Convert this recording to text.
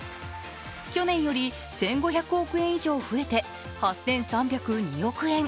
去年より１５００億円以上増えて８３０２億円。